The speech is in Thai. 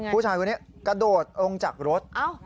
ผู้ชายคนนี้กระโดดลงจากรถ